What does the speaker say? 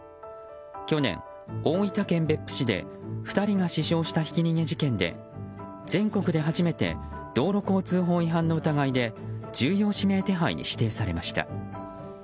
去年、大分県別府市で２人が死傷したひき逃げ事件で全国で初めて道路交通法違反の疑いで重要指名手配に指定されました。